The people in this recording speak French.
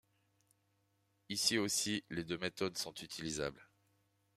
Ici aussi, les deux méthodes sont utilisables.